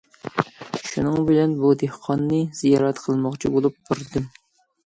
شۇنىڭ بىلەن بۇ دېھقاننى زىيارەت قىلماقچى بولۇپ باردىم.